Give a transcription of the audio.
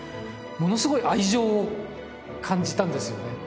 ものすごい愛情を感じたんですよね